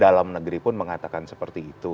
dalam negeri pun mengatakan seperti itu